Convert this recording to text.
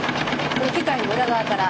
機械の裏側から削り。